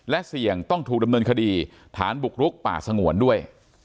และเสี่ยงต้องถูกดำเนินคดีฐานบุกรุกป่าสงวนด้วย